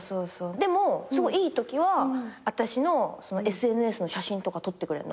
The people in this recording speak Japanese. でもすごいいいときは私のＳＮＳの写真とか撮ってくれんの。